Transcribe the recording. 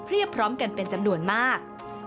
พร้อมกันเป็นจำนวนมาก